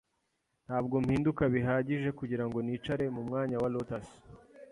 Ntabwo mpinduka bihagije kugirango nicare mumwanya wa lotus.